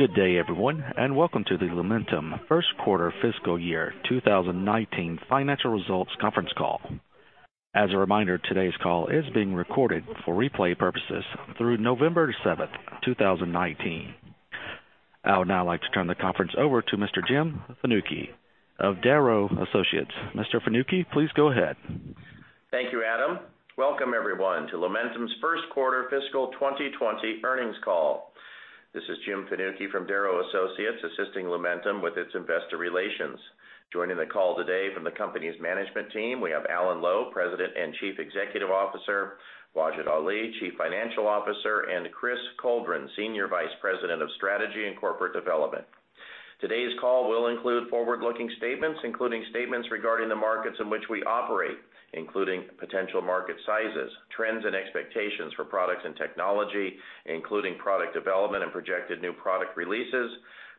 Good day, everyone, and welcome to the Lumentum first quarter fiscal year 2019 financial results conference call. As a reminder, today's call is being recorded for replay purposes through November 7th, 2019. I would now like to turn the conference over to Mr. Jim Fanucchi of Darrow Associates. Mr. Fanucchi, please go ahead. Thank you, Adam. Welcome everyone to Lumentum's first quarter fiscal 2020 earnings call. This is Jim Fanucchi from Darrow Associates, assisting Lumentum with its investor relations. Joining the call today from the company's management team, we have Alan Lowe, President and Chief Executive Officer, Wajid Ali, Chief Financial Officer, and Chris Coldren, Senior Vice President of Strategy and Corporate Development. Today's call will include forward-looking statements, including statements regarding the markets in which we operate, including potential market sizes, trends and expectations for products and technology, including product development and projected new product releases,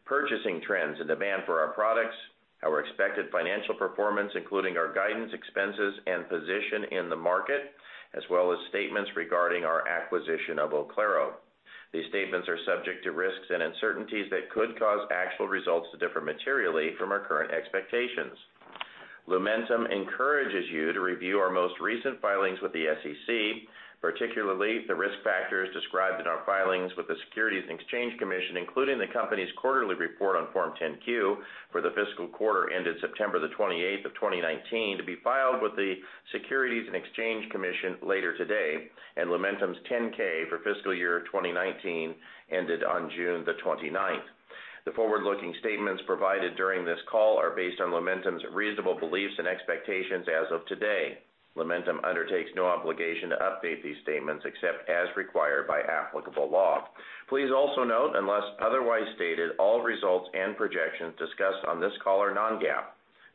purchasing trends, and demand for our products, our expected financial performance, including our guidance expenses and position in the market, as well as statements regarding our acquisition of Oclaro. Lumentum encourages you to review our most recent filings with the SEC, particularly the risk factors described in our filings with the Securities and Exchange Commission, including the company's quarterly report on Form 10-Q for the fiscal quarter ended September the 28th of 2019, to be filed with the Securities and Exchange Commission later today, and Lumentum's 10-K for fiscal year 2019 ended on June the 29th. The forward-looking statements provided during this call are based on Lumentum's reasonable beliefs and expectations as of today. Lumentum undertakes no obligation to update these statements except as required by applicable law. Please also note, unless otherwise stated, all results and projections discussed on this call are non-GAAP.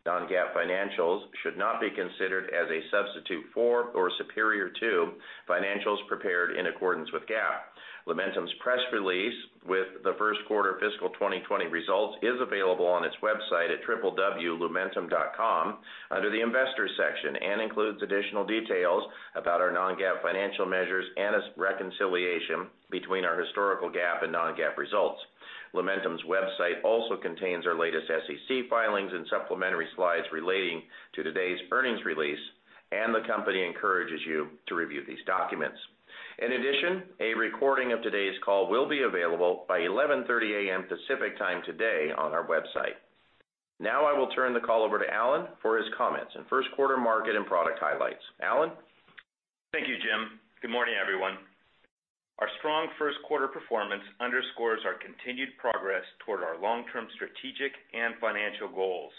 Non-GAAP financials should not be considered as a substitute for or superior to financials prepared in accordance with GAAP. Lumentum's press release with the first quarter fiscal 2020 results is available on its website at www.lumentum.com under the Investors section and includes additional details about our non-GAAP financial measures and its reconciliation between our historical GAAP and non-GAAP results. Lumentum's website also contains our latest SEC filings and supplementary slides relating to today's earnings release, and the company encourages you to review these documents. In addition, a recording of today's call will be available by 11:30 A.M. Pacific Time today on our website. Now I will turn the call over to Alan for his comments and first quarter market and product highlights. Alan? Thank you, Jim. Good morning, everyone. Our strong first quarter performance underscores our continued progress toward our long-term strategic and financial goals.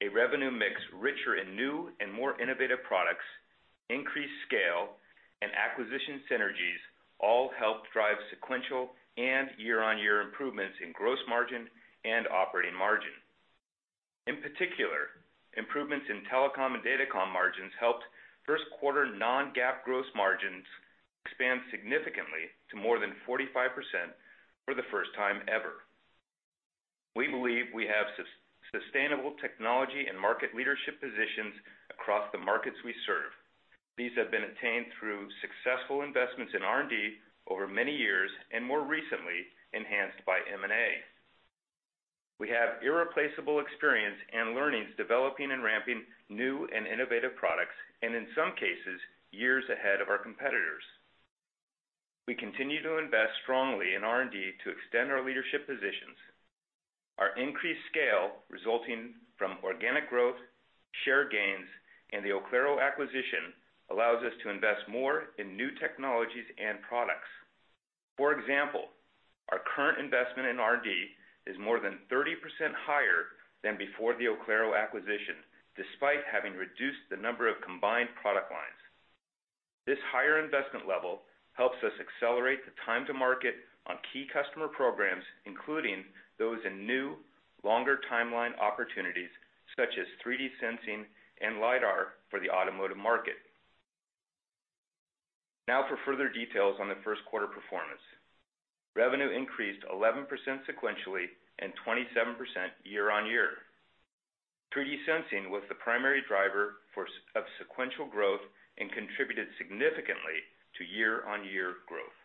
A revenue mix richer in new and more innovative products, increased scale, and acquisition synergies all helped drive sequential and year-on-year improvements in gross margin and operating margin. In particular, improvements in telecom and datacom margins helped first quarter non-GAAP gross margins expand significantly to more than 45% for the first time ever. We believe we have sustainable technology and market leadership positions across the markets we serve. These have been attained through successful investments in R&D over many years, and more recently, enhanced by M&A. We have irreplaceable experience and learnings developing and ramping new and innovative products, and in some cases, years ahead of our competitors. We continue to invest strongly in R&D to extend our leadership positions. Our increased scale resulting from organic growth, share gains, and the Oclaro acquisition allows us to invest more in new technologies and products. For example, our current investment in R&D is more than 30% higher than before the Oclaro acquisition, despite having reduced the number of combined product lines. This higher investment level helps us accelerate the time to market on key customer programs, including those in new, longer timeline opportunities, such as 3D sensing and LiDAR for the automotive market. For further details on the first quarter performance. Revenue increased 11% sequentially and 27% year-on-year. 3D sensing was the primary driver of sequential growth and contributed significantly to year-on-year growth.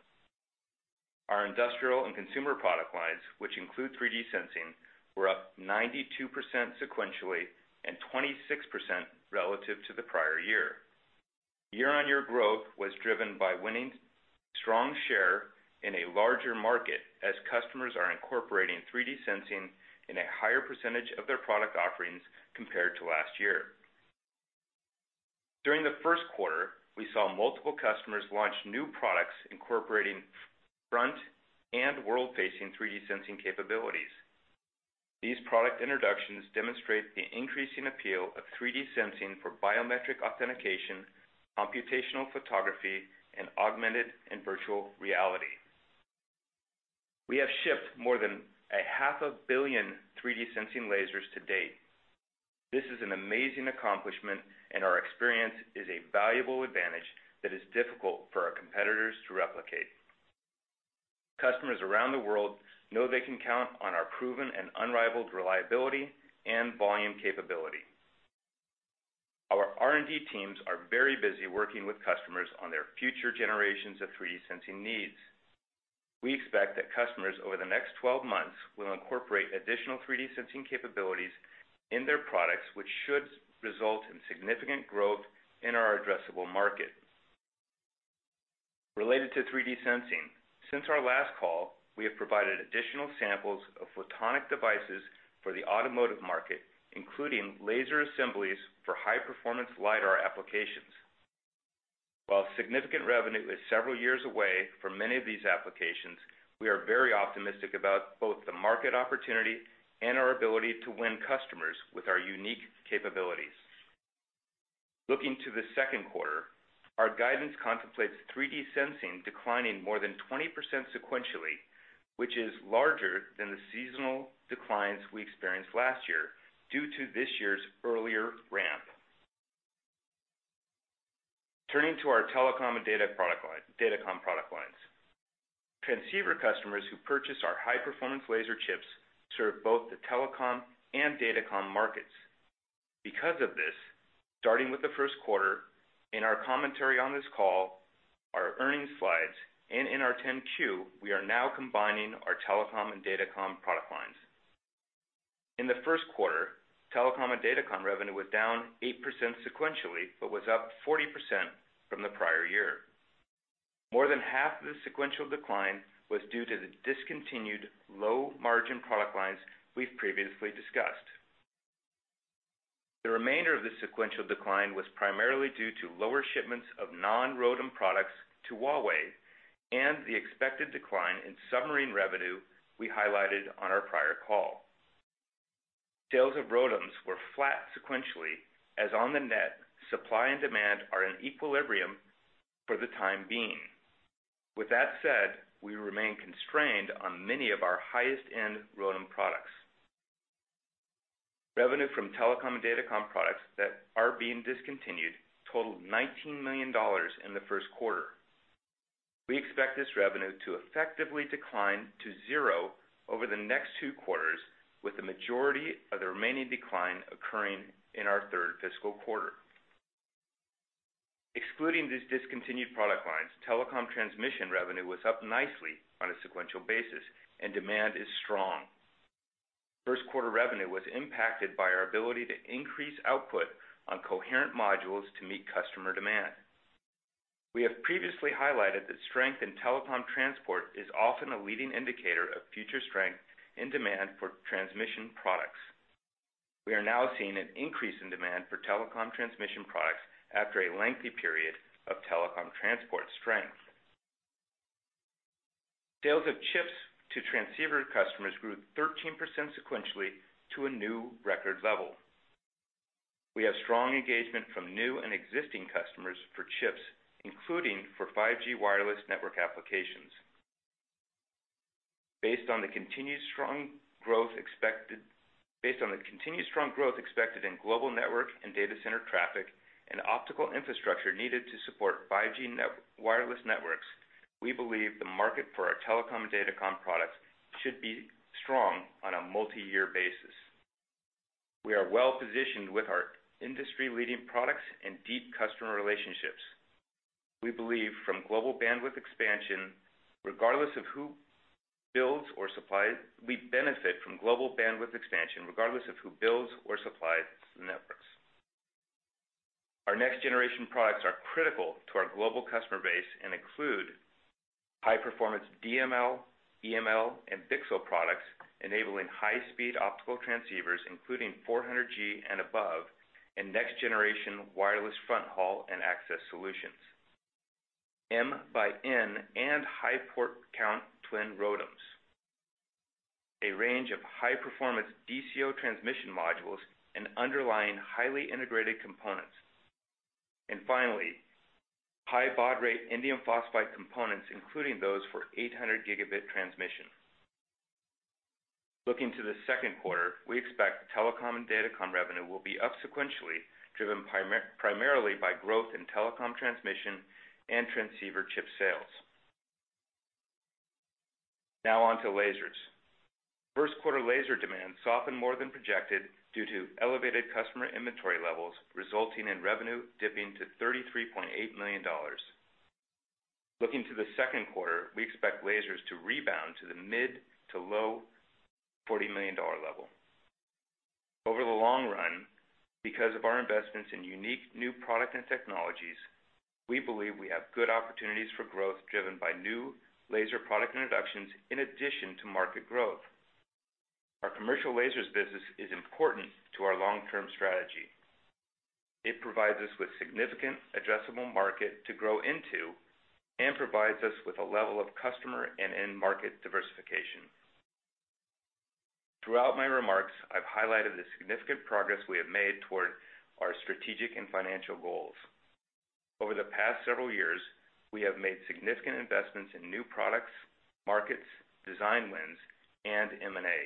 Our industrial and consumer product lines, which include 3D sensing, were up 92% sequentially and 26% relative to the prior year. Year-on-year growth was driven by winning strong share in a larger market as customers are incorporating 3D sensing in a higher percentage of their product offerings compared to last year. During the first quarter, we saw multiple customers launch new products incorporating front and world-facing 3D sensing capabilities. These product introductions demonstrate the increasing appeal of 3D sensing for biometric authentication, computational photography, and augmented and virtual reality. We have shipped more than a half a billion 3D sensing lasers to date. This is an amazing accomplishment, and our experience is a valuable advantage that is difficult for our competitors to replicate. Customers around the world know they can count on our proven and unrivaled reliability and volume capability. R&D teams are very busy working with customers on their future generations of 3D sensing needs. We expect that customers over the next 12 months will incorporate additional 3D sensing capabilities in their products, which should result in significant growth in our addressable market. Related to 3D sensing, since our last call, we have provided additional samples of photonic devices for the automotive market, including laser assemblies for high-performance LiDAR applications. While significant revenue is several years away from many of these applications, we are very optimistic about both the market opportunity and our ability to win customers with our unique capabilities. Looking to the second quarter, our guidance contemplates 3D sensing declining more than 20% sequentially, which is larger than the seasonal declines we experienced last year due to this year's earlier ramp. Turning to our telecom and datacom product lines. Transceiver customers who purchase our high-performance laser chips serve both the telecom and datacom markets. Because of this, starting with the first quarter, in our commentary on this call, our earnings slides, and in our 10-Q, we are now combining our telecom and datacom product lines. In the first quarter, telecom and datacom revenue was down 8% sequentially, but was up 40% from the prior year. More than half of the sequential decline was due to the discontinued low-margin product lines we've previously discussed. The remainder of the sequential decline was primarily due to lower shipments of non-ROADM products to Huawei and the expected decline in submarine revenue we highlighted on our prior call. Sales of ROADMs were flat sequentially, as on the net, supply and demand are in equilibrium for the time being. With that said, we remain constrained on many of our highest-end ROADM products. Revenue from telecom and datacom products that are being discontinued totaled $19 million in the first quarter. We expect this revenue to effectively decline to 0 over the next two quarters, with the majority of the remaining decline occurring in our third fiscal quarter. Excluding these discontinued product lines, telecom transmission revenue was up nicely on a sequential basis and demand is strong. First quarter revenue was impacted by our ability to increase output on coherent modules to meet customer demand. We have previously highlighted that strength in telecom transport is often a leading indicator of future strength in demand for transmission products. We are now seeing an increase in demand for telecom transmission products after a lengthy period of telecom transport strength. Sales of chips to transceiver customers grew 13% sequentially to a new record level. We have strong engagement from new and existing customers for chips, including for 5G wireless network applications. Based on the continued strong growth expected in global network and data center traffic and optical infrastructure needed to support 5G wireless networks, we believe the market for our telecom and datacom products should be strong on a multiyear basis. We are well positioned with our industry-leading products and deep customer relationships. We believe from global bandwidth expansion, regardless of who builds or supplies. We benefit from global bandwidth expansion, regardless of who builds or supplies the networks. Our next-generation products are critical to our global customer base and include high-performance DML, EML, and VCSEL products, enabling high-speed optical transceivers, including 400G and above, and next-generation wireless front haul and access solutions. MxN and high port count twin ROADMs. A range of high-performance DCO transmission modules and underlying highly integrated components. Finally, high baud rate indium phosphide components, including those for 800 Gigabit transmission. Looking to the second quarter, we expect telecom and datacom revenue will be up sequentially, driven primarily by growth in telecom transmission and transceiver chip sales. On to lasers. First quarter laser demand softened more than projected due to elevated customer inventory levels, resulting in revenue dipping to $33.8 million. Looking to the second quarter, we expect lasers to rebound to the mid to low $40 million level. Over the long run, because of our investments in unique new product and technologies, we believe we have good opportunities for growth driven by new laser product introductions in addition to market growth. Our commercial lasers business is important to our long-term strategy. It provides us with significant addressable market to grow into and provides us with a level of customer and end-market diversification. Throughout my remarks, I've highlighted the significant progress we have made toward our strategic and financial goals. Over the past several years, we have made significant investments in new products, markets, design wins, and M&A.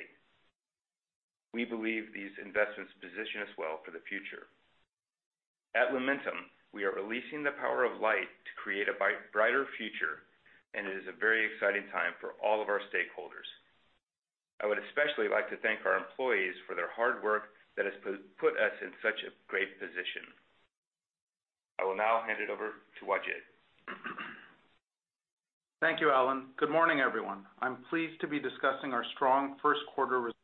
We believe these investments position us well for the future. At Lumentum, we are releasing the power of light to create a brighter future, and it is a very exciting time for all of our stakeholders. I would especially like to thank our employees for their hard work that has put us in such a great position. I will now hand it over to Wajid. Thank you, Alan. Good morning, everyone. I'm pleased to be discussing our strong first quarter results.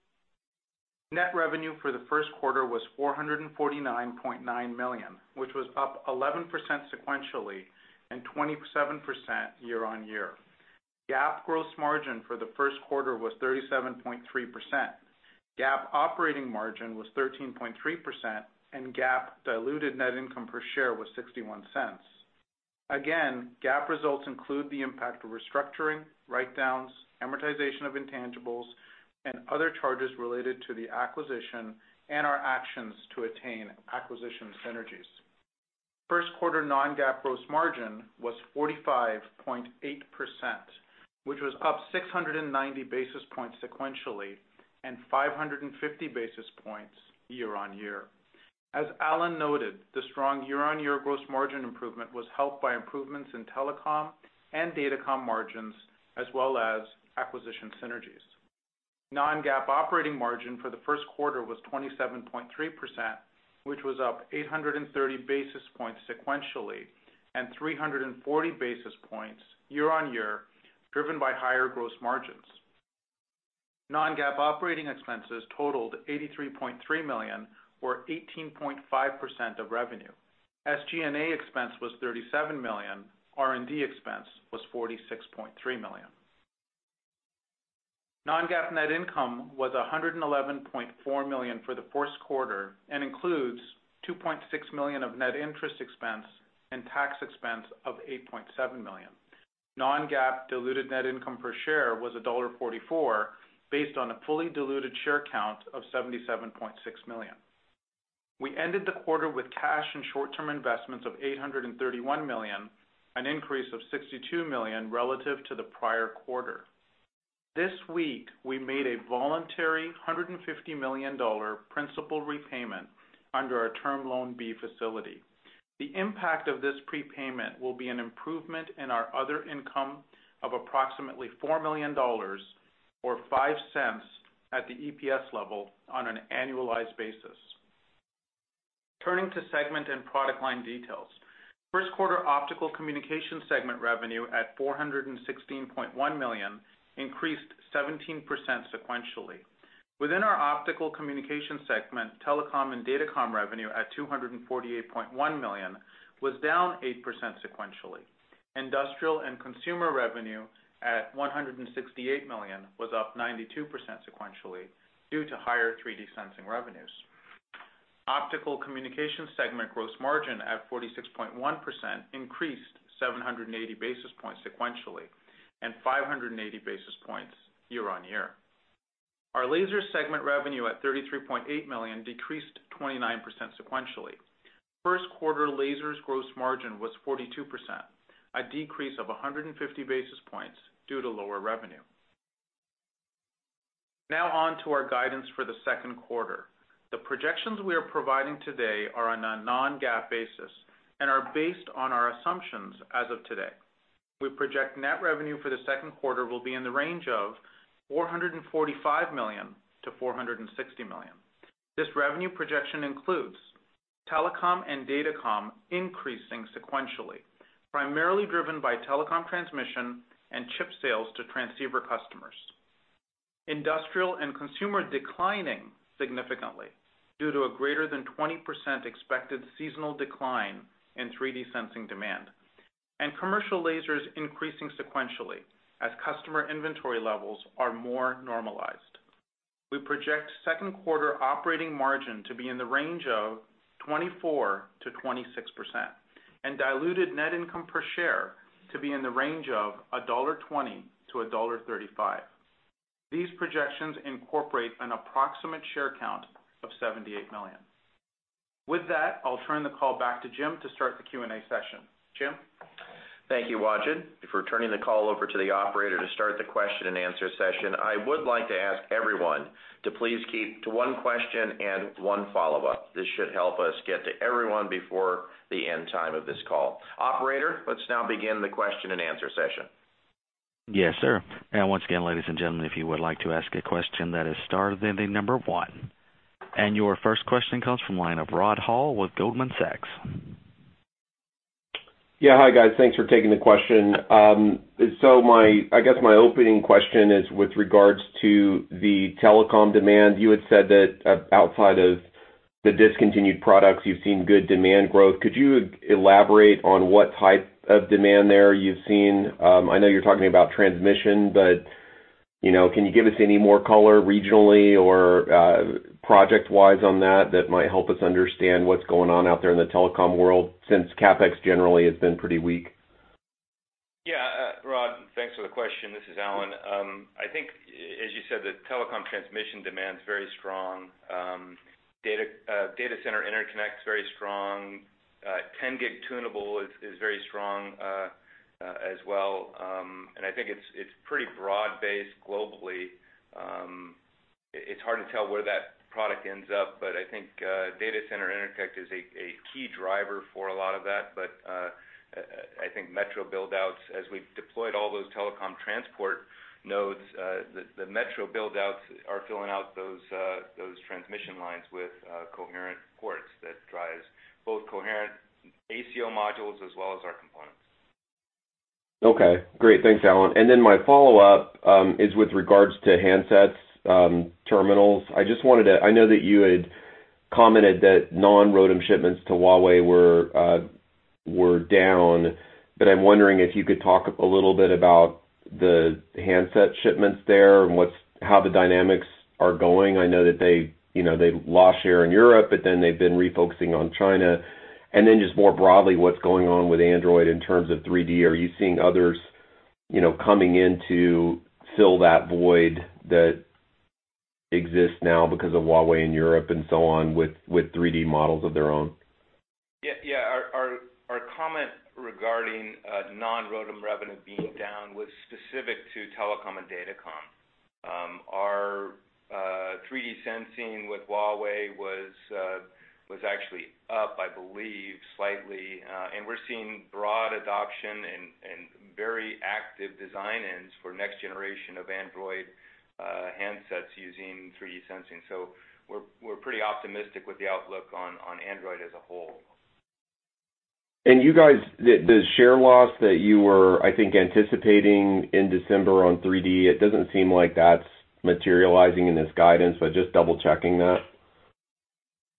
Net revenue for the first quarter was $449.9 million, which was up 11% sequentially and 27% year-on-year. GAAP gross margin for the first quarter was 37.3%. GAAP operating margin was 13.3%, and GAAP diluted net income per share was $0.61. Again, GAAP results include the impact of restructuring, write downs, amortization of intangibles, and other charges related to the acquisition and our actions to attain acquisition synergies. First quarter non-GAAP gross margin was 45.8%, which was up 690 basis points sequentially and 550 basis points year-on-year. As Alan noted, the strong year-on-year gross margin improvement was helped by improvements in telecom and datacom margins as well as acquisition synergies. Non-GAAP operating margin for the first quarter was 27.3%, which was up 830 basis points sequentially and 340 basis points year-on-year, driven by higher gross margins. Non-GAAP operating expenses totaled $83.3 million or 18.5% of revenue. SG&A expense was $37 million. R&D expense was $46.3 million. Non-GAAP net income was $111.4 million for the first quarter and includes $2.6 million of net interest expense and tax expense of $8.7 million. Non-GAAP diluted net income per share was $1.44 based on a fully diluted share count of 77.6 million. We ended the quarter with cash and short-term investments of $831 million, an increase of $62 million relative to the prior quarter. This week, we made a voluntary $150 million principal repayment under our Term Loan B facility. The impact of this prepayment will be an improvement in our other income of approximately $4 million or $0.05 at the EPS level on an annualized basis. Turning to segment and product line details. First quarter Optical Communication segment revenue at $416.1 million increased 17% sequentially. Within our Optical Communication segment, telecom and datacom revenue at $248.1 million was down 8% sequentially. Industrial and consumer revenue at $168 million was up 92% sequentially due to higher 3D sensing revenues. Optical Communication segment gross margin at 46.1% increased 780 basis points sequentially and 580 basis points year-on-year. Our Laser segment revenue at $33.8 million decreased 29% sequentially. First quarter Lasers gross margin was 42%, a decrease of 150 basis points due to lower revenue. On to our guidance for the second quarter. The projections we are providing today are on a non-GAAP basis and are based on our assumptions as of today. We project net revenue for the second quarter will be in the range of $445 million-$460 million. This revenue projection includes telecom and datacom increasing sequentially, primarily driven by telecom transmission and chip sales to transceiver customers. Industrial and consumer declining significantly due to a greater than 20% expected seasonal decline in 3D sensing demand. Commercial lasers increasing sequentially as customer inventory levels are more normalized. We project second quarter operating margin to be in the range of 24%-26% and diluted net income per share to be in the range of $1.20-$1.35. These projections incorporate an approximate share count of 78 million. With that, I'll turn the call back to Jim to start the Q&A session. Jim? Thank you, Wajid. If we're turning the call over to the operator to start the question and answer session, I would like to ask everyone to please keep to one question and one follow-up. This should help us get to everyone before the end time of this call. Operator, let's now begin the question and answer session. Yes, sir. Once again, ladies and gentlemen, if you would like to ask a question, that is star then the number one. Your first question comes from the line of Rod Hall with Goldman Sachs. Yeah. Hi, guys. Thanks for taking the question. I guess my opening question is with regards to the telecom demand. You had said that outside of the discontinued products, you've seen good demand growth. Could you elaborate on what type of demand there you've seen? I know you're talking about transmission, can you give us any more color regionally or project-wise on that that might help us understand what's going on out there in the telecom world since CapEx generally has been pretty weak? Yeah. Rod, thanks for the question. This is Alan. I think as you said, the telecom transmission demand's very strong. data center interconnect's very strong. 10G tunable is very strong as well. I think it's pretty broad-based globally. It's hard to tell where that product ends up, I think data center interconnect is a key driver for a lot of that. I think metro build-outs, as we've deployed all those telecom transport nodes, the metro build-outs are filling out those transmission lines with coherent ports that drives both coherent ACO modules as well as our components. Okay, great. Thanks, Alan. My follow-up is with regards to handsets terminals. I know that you had commented that non-ROADM shipments to Huawei were down, but I'm wondering if you could talk a little bit about the handset shipments there and how the dynamics are going. I know that they lost share in Europe, but then they've been refocusing on China. Just more broadly, what's going on with Android in terms of 3D? Are you seeing others coming in to fill that void that exists now because of Huawei in Europe and so on, with 3D models of their own? Yeah. Our comment regarding non-ROADM revenue being down was specific to telecom and datacom. Our 3D sensing with Huawei was actually up, I believe, slightly. We're seeing broad adoption and very active design-ins for next generation of Android handsets using 3D sensing. We're pretty optimistic with the outlook on Android as a whole. You guys, the share loss that you were, I think, anticipating in December on 3D, it doesn't seem like that's materializing in this guidance, but just double checking that.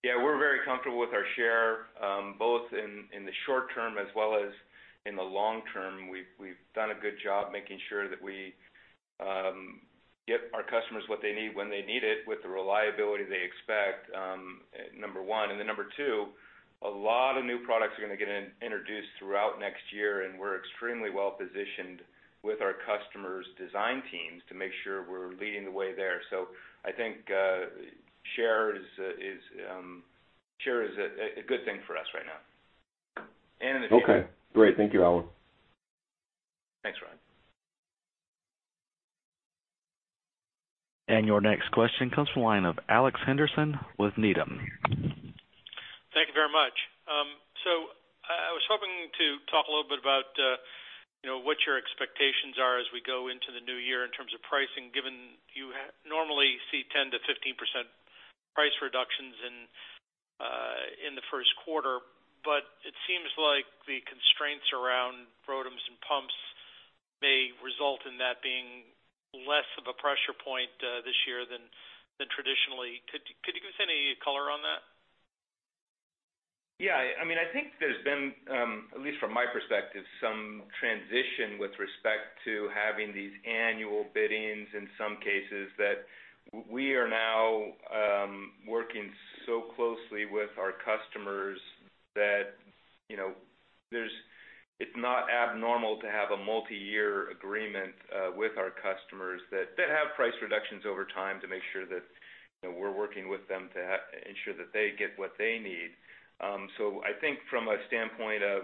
Yeah. We're very comfortable with our share, both in the short term as well as in the long term. We've done a good job making sure that we get our customers what they need, when they need it, with the reliability they expect, number 1. Number 2, a lot of new products are going to get introduced throughout next year, and we're extremely well-positioned with our customers' design teams to make sure we're leading the way there. I think share is a good thing for us right now. In the future. Okay, great. Thank you, Alan. Thanks, Rod. Your next question comes from the line of Alex Henderson with Needham. Thank you very much. I was hoping to talk a little bit about what your expectations are as we go into the new year in terms of pricing, given you normally see 10%-15% price reductions in the first quarter. It seems like the constraints around ROADMs and pumps may result in that being less of a pressure point this year than traditionally. Could you give us any color on that? Yeah. I think there's been, at least from my perspective, some transition with respect to having these annual biddings in some cases that we are now working so closely with our customers that it's not abnormal to have a multi-year agreement with our customers that have price reductions over time to make sure that we're working with them to ensure that they get what they need. I think from a standpoint of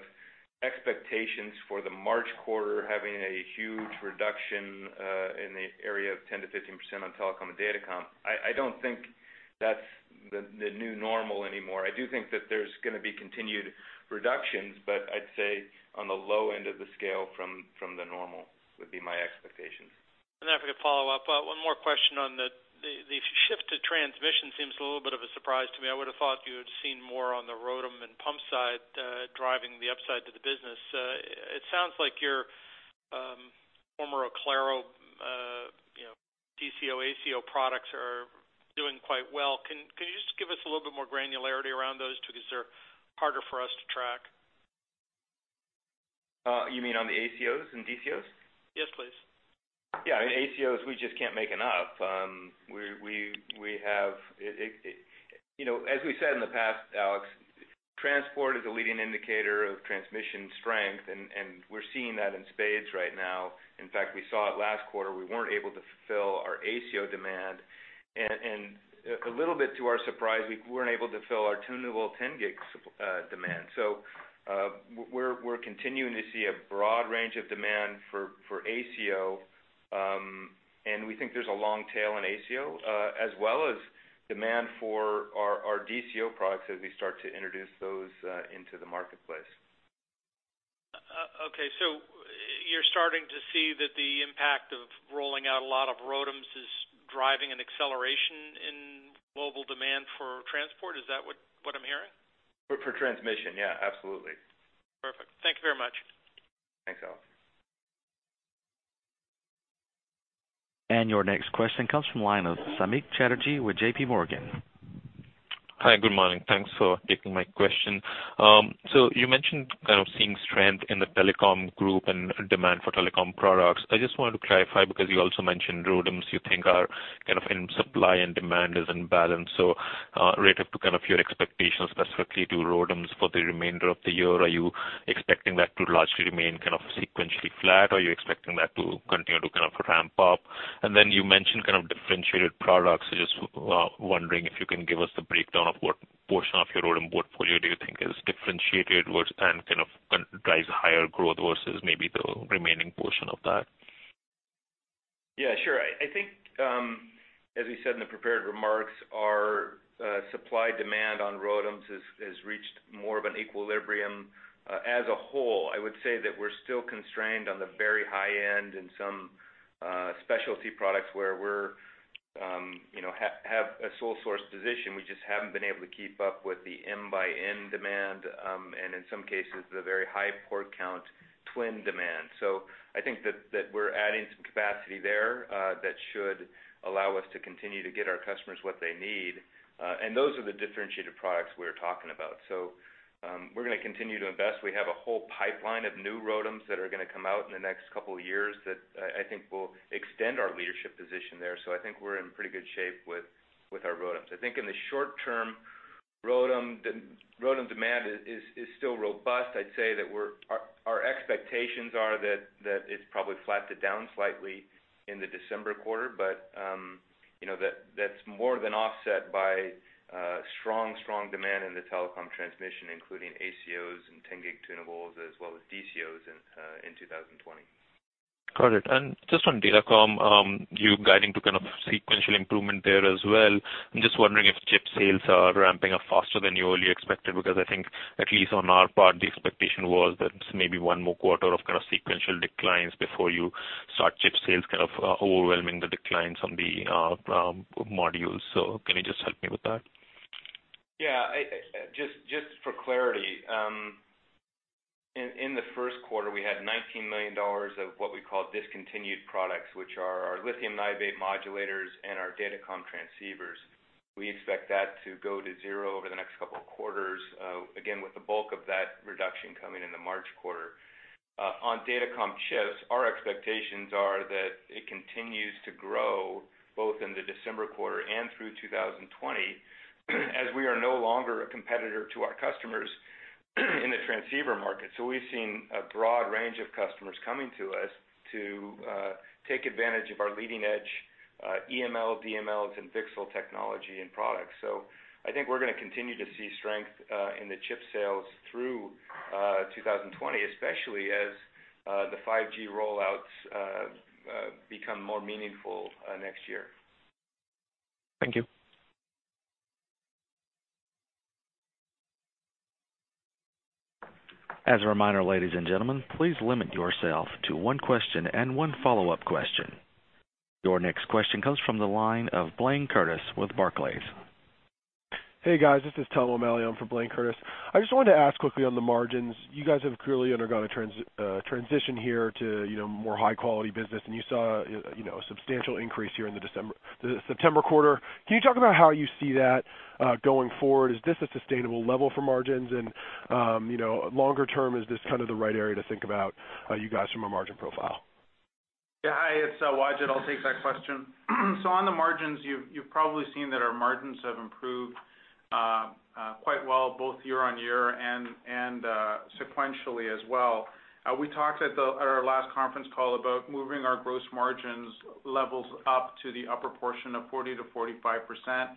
expectations for the March quarter having a huge reduction in the area of 10% to 15% on telecom and datacom, I don't think that's the new normal anymore. I do think that there's going to be continued reductions, but I'd say on the low end of the scale from the normal, would be my expectation. If I could follow up, one more question on the shift to transmission seems a little bit of a surprise to me. I would've thought you had seen more on the ROADM and pump side driving the upside to the business. It sounds like your former Oclaro DCO, ACO products are doing quite well. Can you just give us a little bit more granularity around those two? Because they're harder for us to track. You mean on the ACOs and DCOs? Yes, please. Yeah. ACOs, we just can't make enough. As we said in the past, Alex, transport is a leading indicator of transmission strength, and we're seeing that in spades right now. In fact, we saw it last quarter. We weren't able to fill our ACO demand. A little bit to our surprise, we weren't able to fill our tunable 10G demand. We're continuing to see a broad range of demand for ACO, and we think there's a long tail in ACO as well as demand for our DCO products as we start to introduce those into the marketplace. Okay, you're starting to see that the impact of rolling out a lot of ROADMs is driving an acceleration in global demand for transport. Is that what I'm hearing? For transmission, yeah, absolutely. Perfect. Thank you very much. Thanks, Alex. Your next question comes from the line of Samik Chatterjee with J.P. Morgan. Hi. Good morning. Thanks for taking my question. You mentioned seeing strength in the telecom group and demand for telecom products. I just wanted to clarify, because you also mentioned ROADMs you think are in supply and demand is in balance. Relative to your expectations specifically to ROADMs for the remainder of the year, are you expecting that to largely remain sequentially flat, or are you expecting that to continue to ramp up? You mentioned differentiated products. Just wondering if you can give us the breakdown of what portion of your ROADM portfolio do you think-differentiated and drives higher growth versus maybe the remaining portion of that? Yeah, sure. I think, as we said in the prepared remarks, our supply-demand on ROADMs has reached more of an equilibrium as a whole. I would say that we're still constrained on the very high end in some specialty products where we have a sole source position. We just haven't been able to keep up with the N by N demand, and in some cases, the very high port count twin demand. I think that we're adding some capacity there that should allow us to continue to get our customers what they need. Those are the differentiated products we're talking about. We're going to continue to invest. We have a whole pipeline of new ROADMs that are going to come out in the next couple of years that I think will extend our leadership position there. I think we're in pretty good shape with our ROADMs. I think in the short term, ROADM demand is still robust. I'd say that our expectations are that it's probably flatted down slightly in the December quarter, but that's more than offset by strong demand in the telecom transmission, including ACOs and 10G tunables as well as DCOs in 2020. Got it. Just on datacom, you guiding to sequential improvement there as well. I'm just wondering if chip sales are ramping up faster than you earlier expected, because I think at least on our part, the expectation was that maybe one more quarter of sequential declines before you start chip sales overwhelming the declines on the modules. Can you just help me with that? Yeah. Just for clarity, in the first quarter, we had $19 million of what we call discontinued products, which are our lithium niobate modulators and our datacom transceivers. We expect that to go to zero over the next couple of quarters, again, with the bulk of that reduction coming in the March quarter. Datacom chips, our expectations are that it continues to grow both in the December quarter and through 2020 as we are no longer a competitor to our customers in the transceiver market. We've seen a broad range of customers coming to us to take advantage of our leading-edge EML, DMLs, and VCSEL technology and products. I think we're going to continue to see strength in the chip sales through 2020, especially as the 5G rollouts become more meaningful next year. Thank you. As a reminder, ladies and gentlemen, please limit yourself to one question and one follow-up question. Your next question comes from the line for Blayne Curtis with Barclays. Hey, guys, this is Thomas O'Malley. I'm for Blayne Curtis. I just wanted to ask quickly on the margins, you guys have clearly undergone a transition here to more high-quality business, and you saw a substantial increase here in the September quarter. Can you talk about how you see that going forward? Is this a sustainable level for margins? Longer term, is this the right area to think about you guys from a margin profile? Hi, it's Wajid. I'll take that question. On the margins, you've probably seen that our margins have improved quite well, both year-over-year and sequentially as well. We talked at our last conference call about moving our gross margins levels up to the upper portion of 40%-45%,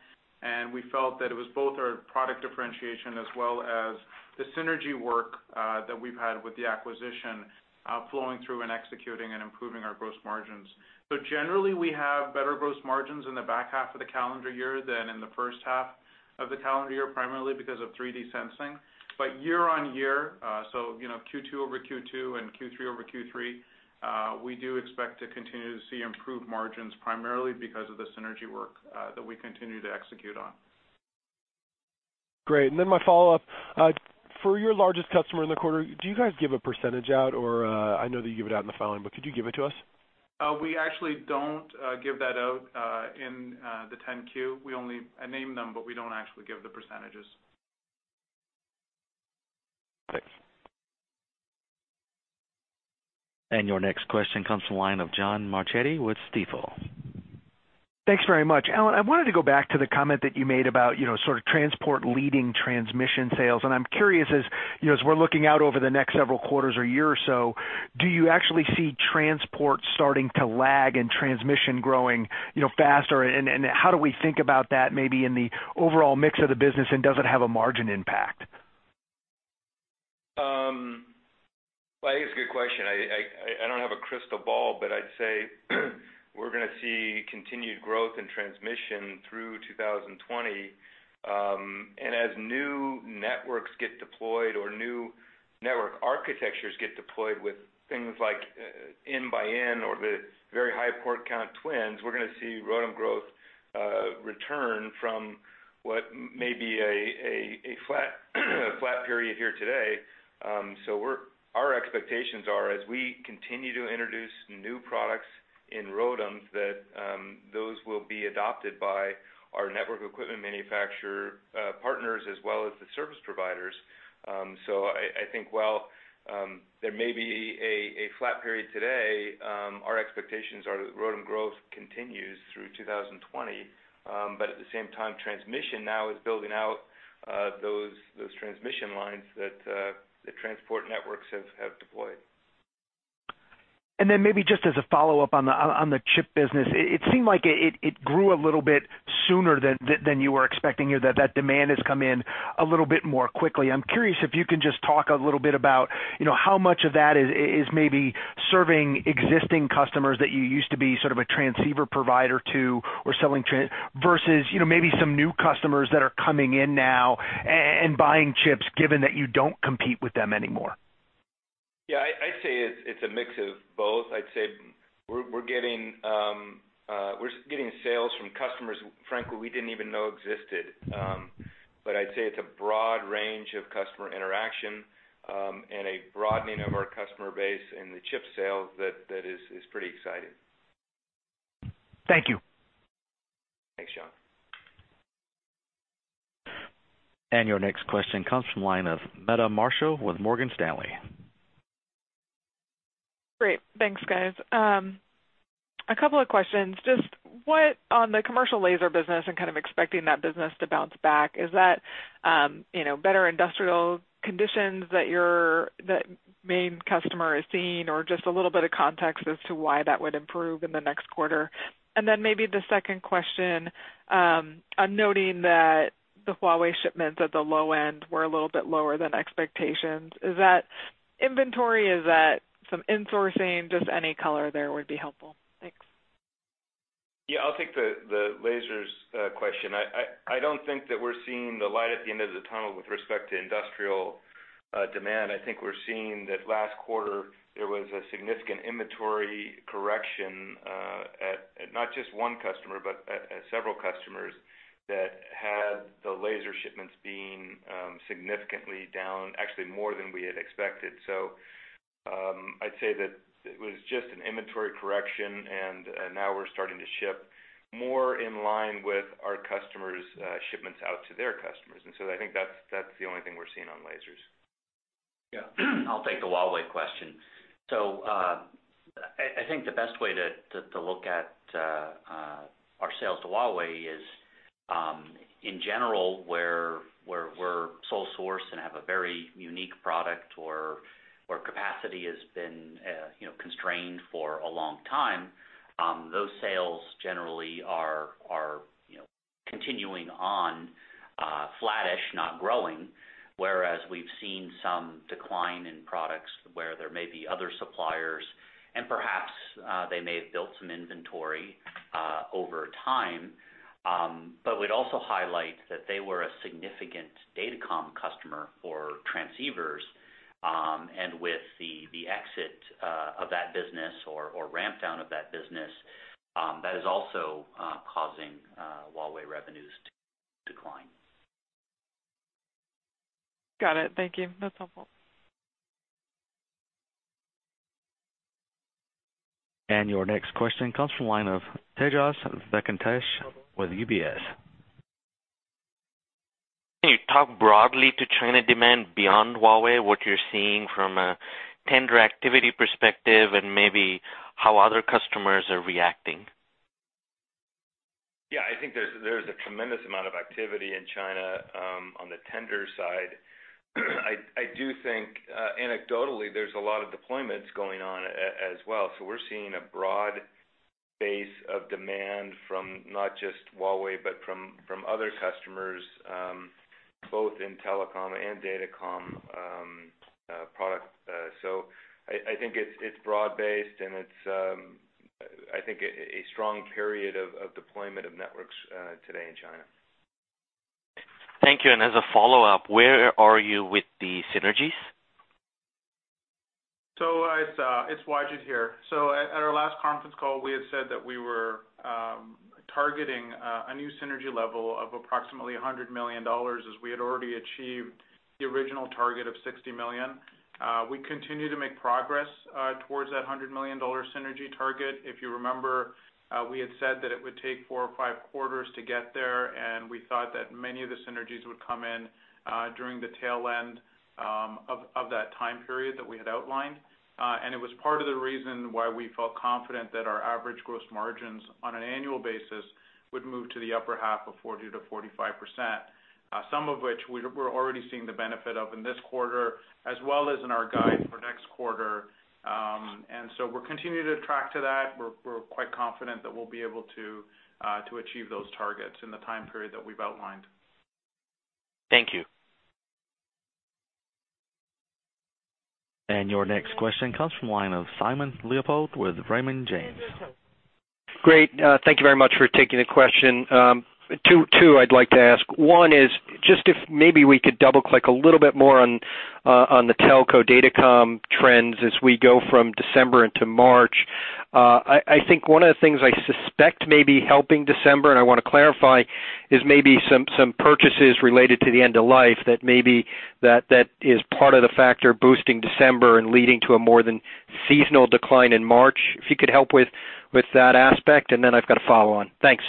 and we felt that it was both our product differentiation as well as the synergy work that we've had with the acquisition flowing through and executing and improving our gross margins. Generally, we have better gross margins in the back half of the calendar year than in the first half of the calendar year, primarily because of 3D sensing. Year-over-year, Q2 over Q2 and Q3 over Q3, we do expect to continue to see improved margins primarily because of the synergy work that we continue to execute on. Great. My follow-up. For your largest customer in the quarter, do you guys give a percentage out? I know that you give it out in the filing, but could you give it to us? We actually don't give that out in the 10-Q. We only name them, but we don't actually give the percentages. Thanks. Your next question comes from the line of John Marchetti with Stifel. Thanks very much. Alan, I wanted to go back to the comment that you made about transport leading transmission sales. I'm curious, as we're looking out over the next several quarters or year or so, do you actually see transport starting to lag and transmission growing faster? How do we think about that maybe in the overall mix of the business, and does it have a margin impact? Well, it's a good question. I don't have a crystal ball. I'd say we're going to see continued growth in transmission through 2020. As new networks get deployed or new network architectures get deployed with things like M x N or the very high port count twins, we're going to see ROADM growth return from what may be a flat period here today. Our expectations are as we continue to introduce new products in ROADMs that those will be adopted by our network equipment manufacturer partners as well as the service providers. I think while there may be a flat period today, our expectations are that ROADM growth continues through 2020. At the same time, transmission now is building out those transmission lines that the transport networks have deployed. Maybe just as a follow-up on the chip business, it seemed like it grew a little bit sooner than you were expecting, that demand has come in a little bit more quickly. I'm curious if you can just talk a little bit about how much of that is maybe serving existing customers that you used to be sort of a transceiver provider to or selling versus maybe some new customers that are coming in now and buying chips, given that you don't compete with them anymore. Yeah, I'd say it's a mix of both. I'd say we're getting sales from customers, frankly, we didn't even know existed. I'd say it's a broad range of customer interaction, and a broadening of our customer base in the chip sale that is pretty exciting. Thank you. Thanks, John. Your next question comes from the line of Meta Marshall with Morgan Stanley. Great. Thanks, guys. A couple of questions. Just what, on the commercial laser business and kind of expecting that business to bounce back, is that better industrial conditions that your main customer is seeing or just a little bit of context as to why that would improve in the next quarter? Maybe the second question, I'm noting that the Huawei shipments at the low end were a little bit lower than expectations. Is that inventory? Is that some insourcing? Just any color there would be helpful. Thanks. Yeah, I'll take the lasers question. I don't think that we're seeing the light at the end of the tunnel with respect to industrial demand. I think we're seeing that last quarter, there was a significant inventory correction at not just one customer, but at several customers that had the laser shipments being significantly down, actually more than we had expected. I'd say that it was just an inventory correction, and now we're starting to ship more in line with our customers' shipments out to their customers. I think that's the only thing we're seeing on lasers. Yeah. I'll take the Huawei question. I think the best way to look at our sales to Huawei is, in general, where we're sole source and have a very unique product or capacity has been constrained for a long time, those sales generally are continuing on flattish, not growing. We've seen some decline in products where there may be other suppliers, and perhaps they may have built some inventory over time. We'd also highlight that they were a significant datacom customer for transceivers, and with the exit of that business or ramp down of that business, that is also causing Huawei revenues to decline. Got it. Thank you. That's helpful. Your next question comes from the line of Tejas Venkatesh with UBS. Can you talk broadly to China demand beyond Huawei, what you're seeing from a tender activity perspective and maybe how other customers are reacting? Yeah, I think there's a tremendous amount of activity in China on the tender side. I do think anecdotally, there's a lot of deployments going on as well. We're seeing a broad base of demand from not just Huawei, but from other customers, both in telecom and datacom product. I think it's broad-based, and it's a strong period of deployment of networks today in China. Thank you. As a follow-up, where are you with the synergies? It's Wajid here. At our last conference call, we had said that we were targeting a new synergy level of approximately $100 million, as we had already achieved the original target of $60 million. We continue to make progress towards that $100 million synergy target. If you remember, we had said that it would take four or five quarters to get there, and we thought that many of the synergies would come in during the tail end of that time period that we had outlined. It was part of the reason why we felt confident that our average gross margins on an annual basis would move to the upper half of 40%-45%, some of which we're already seeing the benefit of in this quarter, as well as in our guide for next quarter. We're continuing to track to that. We're quite confident that we'll be able to achieve those targets in the time period that we've outlined. Thank you. Your next question comes from the line of Simon Leopold with Raymond James. Great. Thank you very much for taking the question. Two I'd like to ask. One is just if maybe we could double-click a little bit more on the telco datacom trends as we go from December into March. I think one of the things I suspect may be helping December, and I want to clarify, is maybe some purchases related to the end-of-life that may be that is part of the factor boosting December and leading to a more than seasonal decline in March. If you could help with that aspect, then I've got a follow-on. Thanks.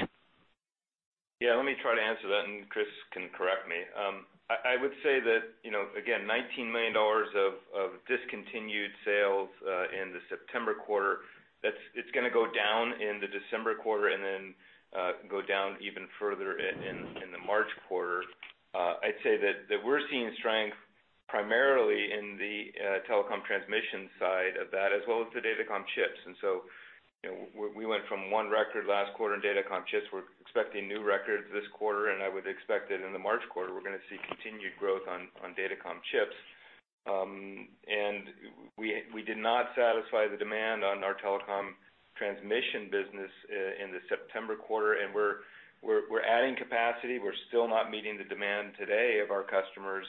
Yeah, let me try to answer that, and Chris can correct me. I would say that, again, $19 million of discontinued sales in the September quarter It's going to go down in the December quarter, then go down even further in the March quarter. I'd say that we're seeing strength primarily in the telecom transmission side of that as well as the datacom chips. We went from one record last quarter in datacom chips. We're expecting new records this quarter. I would expect that in the March quarter, we're going to see continued growth on datacom chips. We did not satisfy the demand on our telecom transmission business in the September quarter. We're adding capacity. We're still not meeting the demand today of our customers.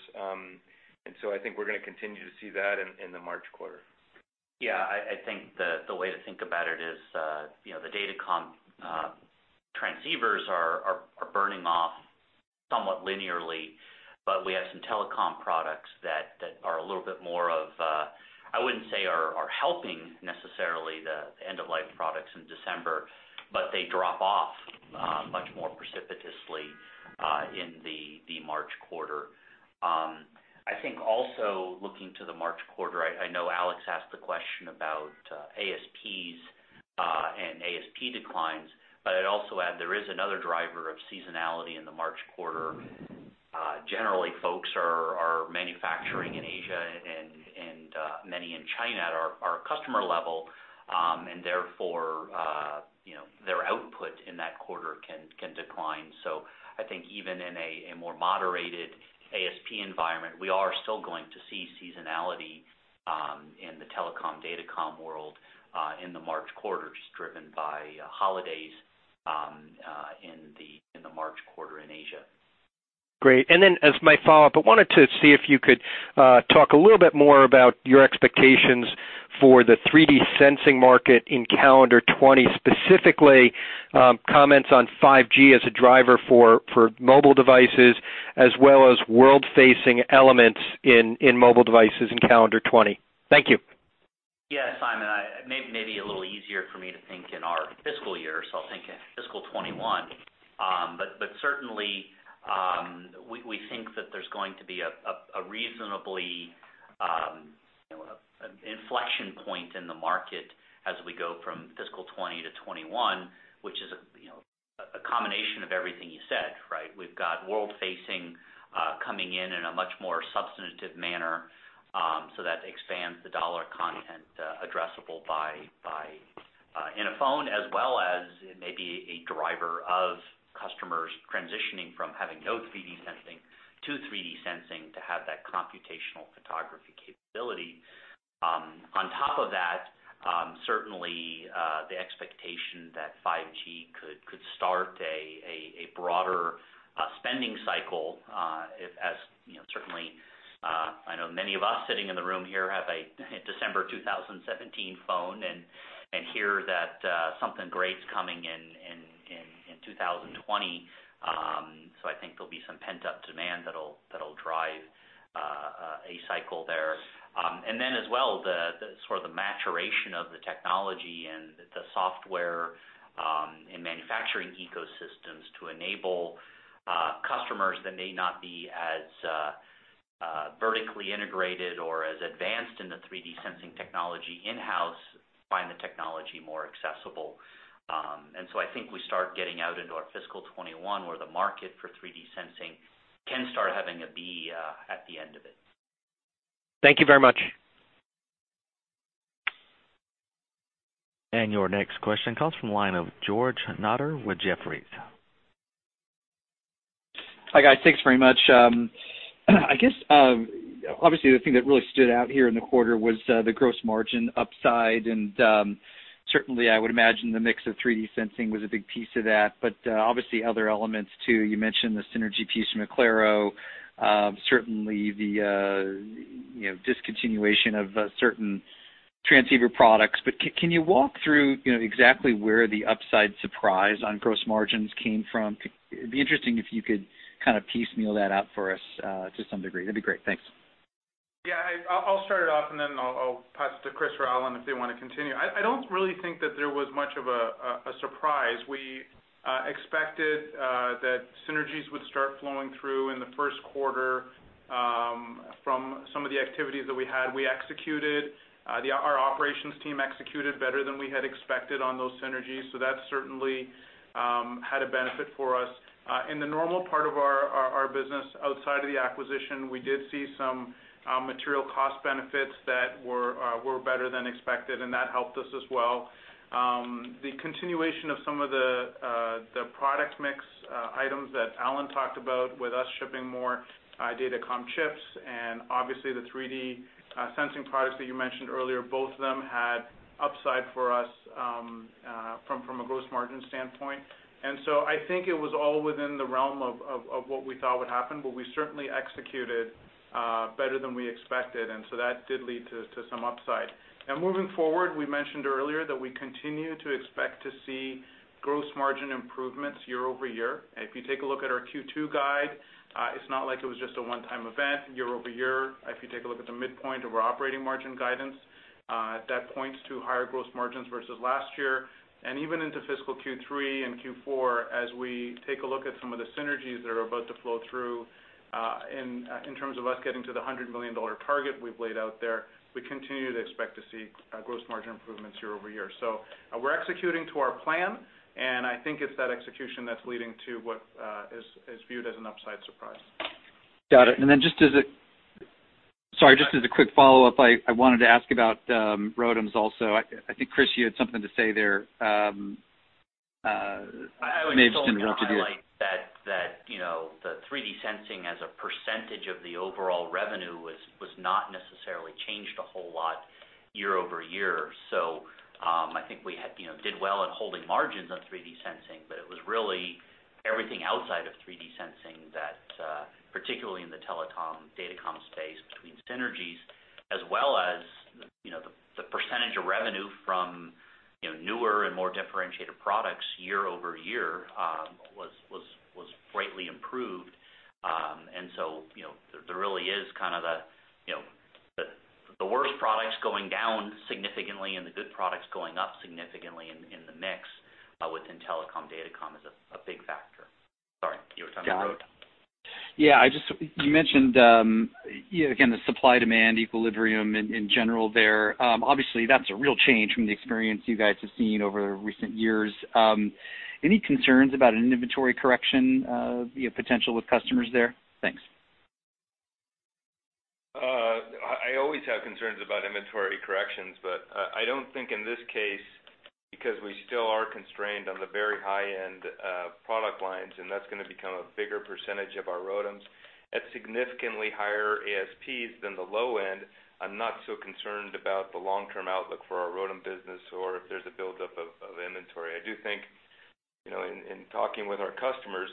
I think we're going to continue to see that in the March quarter. Yeah, I think the way to think about it is, the datacom transceivers are burning off somewhat linearly, but we have some telecom products that are a little bit more of, I wouldn't say are helping necessarily the end-of-life products in December, but they drop off much more precipitously in the March quarter. I think also looking to the March quarter, I know Alex asked the question about ASPs, and ASP declines. I'd also add, there is another driver of seasonality in the March quarter. Generally, folks are manufacturing in Asia and many in China at our customer level. Therefore, their output in that quarter can decline. I think even in a more moderated ASP environment, we are still going to see seasonality in the telecom, datacom world, in the March quarters driven by holidays in the March quarter in Asia. Great. As my follow-up, I wanted to see if you could talk a little bit more about your expectations for the 3D sensing market in calendar 2020, specifically comments on 5G as a driver for mobile devices, as well as world-facing elements in mobile devices in calendar 2020. Thank you. Yeah, Simon, it may be a little easier for me to think in our fiscal year, so I'll think in fiscal 2021. Certainly, we think that there's going to be an inflection point in the market as we go from fiscal 2020 to 2021, which is a combination of everything you said, right? We've got world-facing coming in in a much more substantive manner, so that expands the dollar content addressable in a phone, as well as it may be a driver of customers transitioning from having no 3D sensing to 3D sensing to have that computational photography capability. On top of that, certainly, the expectation that 5G could start a broader spending cycle, as certainly, I know many of us sitting in the room here have a December 2017 phone and hear that something great's coming in 2020. I think there'll be some pent-up demand that'll drive a cycle there. Then as well, the sort of the maturation of the technology and the software in manufacturing ecosystems to enable customers that may not be as vertically integrated or as advanced in the 3D sensing technology in-house find the technology more accessible. I think we start getting out into our fiscal 2021 where the market for 3D sensing can start having a B at the end of it. Thank you very much. Your next question comes from the line of George Notter with Jefferies. Hi, guys. Thanks very much. I guess, obviously the thing that really stood out here in the quarter was the gross margin upside and, certainly, I would imagine the mix of 3D sensing was a big piece of that, obviously other elements too. You mentioned the synergy piece from Oclaro. Certainly the discontinuation of certain transceiver products. Can you walk through exactly where the upside surprise on gross margins came from? It'd be interesting if you could kind of piecemeal that out for us to some degree. That'd be great. Thanks. Yeah, I'll start it off and then I'll pass it to Chris or Alan if they want to continue. I don't really think that there was much of a surprise. We expected that synergies would start flowing through in the first quarter from some of the activities that we had. Our operations team executed better than we had expected on those synergies, that certainly had a benefit for us. In the normal part of our business outside of the acquisition, we did see some material cost benefits that were better than expected, that helped us as well. The continuation of some of the product mix items that Alan talked about with us shipping more datacom chips and obviously the 3D sensing products that you mentioned earlier, both of them had upside for us from a gross margin standpoint. I think it was all within the realm of what we thought would happen, but we certainly executed better than we expected, that did lead to some upside. Moving forward, we mentioned earlier that we continue to expect to see gross margin improvements year-over-year. If you take a look at our Q2 guide, it's not like it was just a one-time event year-over-year. If you take a look at the midpoint of our operating margin guidance, that points to higher gross margins versus last year. Even into fiscal Q3 and Q4, as we take a look at some of the synergies that are about to flow through in terms of us getting to the $100 million target we've laid out there, we continue to expect to see gross margin improvements year-over-year. We're executing to our plan, and I think it's that execution that's leading to what is viewed as an upside surprise. Got it. Sorry, just as a quick follow-up, I wanted to ask about ROADMs also. I think, Chris, you had something to say there. Maybe Stifel wants to do it. I would still like to highlight that the 3D sensing as a percentage of the overall revenue was not necessarily changed a whole lot year-over-year. I think we did well in holding margins on 3D sensing, but it was really everything outside of 3D sensing that, particularly in the telecom, datacom space between synergies, as well as the percentage of revenue from newer and more differentiated products year-over-year was greatly improved. There really is the worst products going down significantly and the good products going up significantly in the mix within telecom, datacom is a big factor. Sorry, you were talking to Rod. Got it. Yeah, you mentioned, again, the supply-demand equilibrium in general there. Obviously, that's a real change from the experience you guys have seen over recent years. Any concerns about an inventory correction potential with customers there? Thanks. I always have concerns about inventory corrections. I don't think in this case, because we still are constrained on the very high-end product lines, and that's going to become a bigger percentage of our ROADMs at significantly higher ASPs than the low end. I'm not so concerned about the long-term outlook for our ROADM business or if there's a buildup of inventory. I do think, in talking with our customers,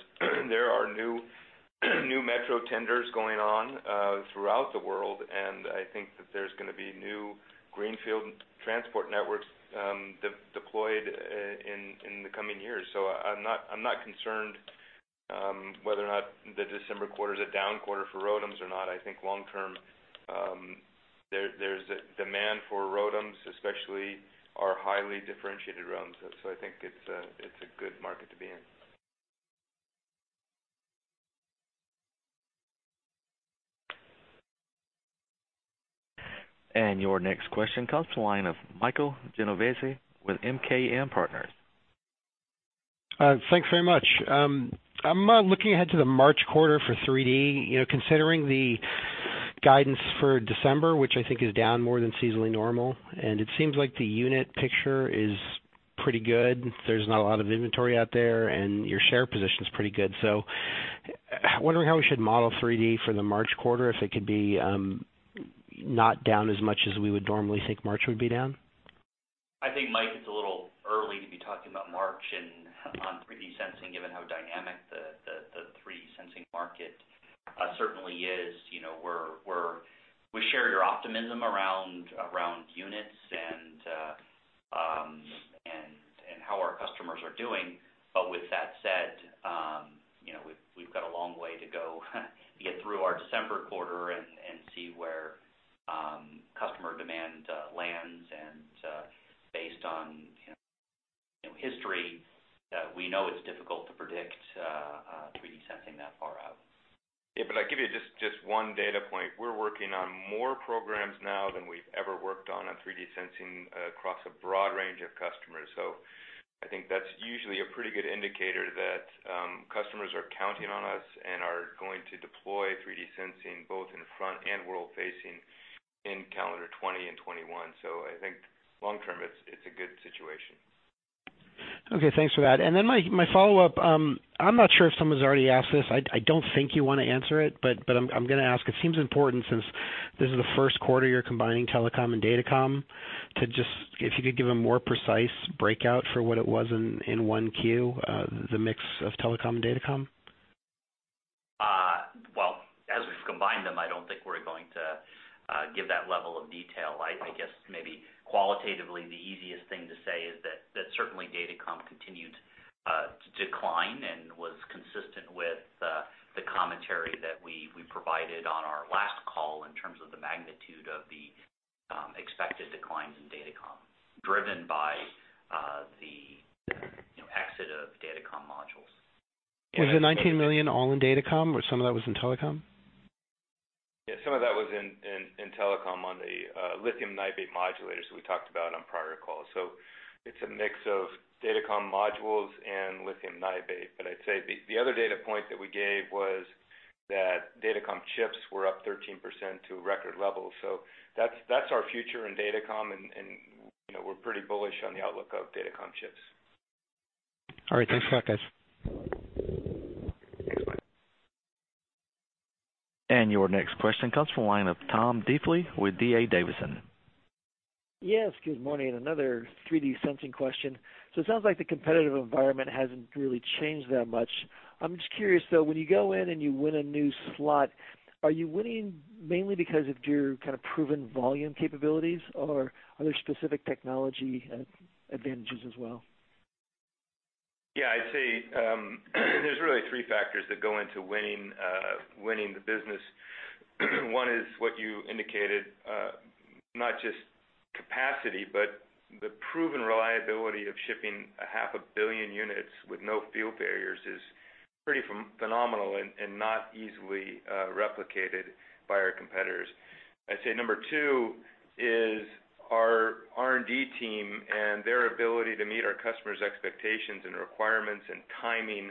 there are new metro tenders going on throughout the world, and I think that there's going to be new greenfield transport networks deployed in the coming years. I'm not concerned whether or not the December quarter is a down quarter for ROADMs or not. I think long term, there's a demand for ROADMs, especially our highly differentiated ROADMs. I think it's a good market to be in. Your next question comes to line of Michael Genovese with MKM Partners. Thanks very much. I'm looking ahead to the March quarter for 3D, considering the guidance for December, which I think is down more than seasonally normal, and it seems like the unit picture is pretty good. There's not a lot of inventory out there, and your share position is pretty good. Wondering how we should model 3D for the March quarter, if it could be not down as much as we would normally think March would be down. I think, Mike, it's a little early to be talking about March on 3D sensing, given how dynamic the 3D sensing market certainly is. We share your optimism around units and how our customers are doing. With that said, we've got a long way to go to get through our December quarter and see where customer demand lands. Based on history, we know it's difficult to predict 3D sensing that far out. I'll give you just one data point. We're working on more programs now than we've ever worked on 3D sensing across a broad range of customers. I think that's usually a pretty good indicator that customers are counting on us and are going to deploy 3D sensing, both in front and world-facing in calendar 2020 and 2021. I think long term it's a good situation. Okay, thanks for that. My follow-up, I'm not sure if someone's already asked this. I don't think you want to answer it. I'm going to ask. It seems important since this is the first quarter you're combining telecom and datacom. If you could give a more precise breakout for what it was in 1Q, the mix of telecom, datacom. Well, as we've combined them, I don't think we're going to give that level of detail. I guess maybe qualitatively, the easiest thing to say is that certainly datacom continued to decline and was consistent with the commentary that we provided on our last call in terms of the magnitude of the expected declines in datacom, driven by the exit of datacom modules. Was the $19 million all in datacom, or some of that was in telecom? Yeah, some of that was in telecom on the lithium niobate modulators we talked about on prior calls. It's a mix of datacom modules and lithium niobate. I'd say the other data point that we gave was that datacom chips were up 13% to record levels. That's our future in datacom, and we're pretty bullish on the outlook of datacom chips. All right. Thanks for that, guys. Thanks, Mike. Your next question comes from line of Tom Diffely with D.A. Davidson. Yes, good morning. Another 3D sensing question. It sounds like the competitive environment hasn't really changed that much. I'm just curious, though, when you go in and you win a new slot, are you winning mainly because of your proven volume capabilities, or are there specific technology advantages as well? Yeah, I'd say there's really three factors that go into winning the business. One is what you indicated, not just capacity, but the proven reliability of shipping a half a billion units with no field failures is pretty phenomenal and not easily replicated by our competitors. I'd say number 2 is our R&D team and their ability to meet our customers' expectations and requirements and timing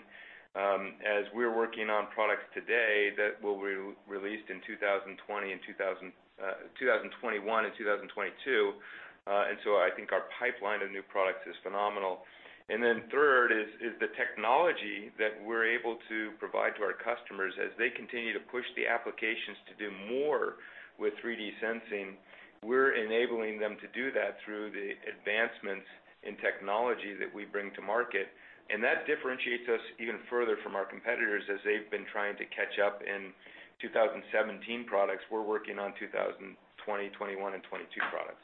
as we're working on products today that will be released in 2021 and 2022. I think our pipeline of new products is phenomenal. Third is the technology that we're able to provide to our customers. As they continue to push the applications to do more with 3D sensing, we're enabling them to do that through the advancements in technology that we bring to market. That differentiates us even further from our competitors as they've been trying to catch up in 2017 products. We're working on 2020, '21, and '22 products.